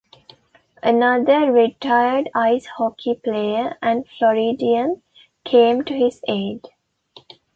Another retired ice hockey player and Floridian came to his aid.